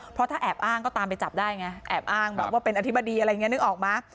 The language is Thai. เพราะถ้าแอบอ้างก็ตามไปจับได้ไงแอบอ้างแบบว่าเป็นอธิบดีอะไรอย่างนี้นึกออกมั้ย